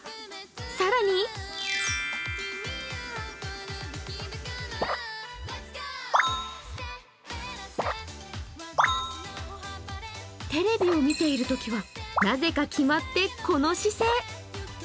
更にテレビを見ているときはなぜか、決まって、この姿勢。